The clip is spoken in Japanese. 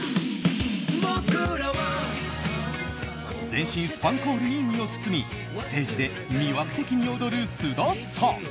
全身スパンコールに身を包みステージで魅惑的に踊る菅田さん。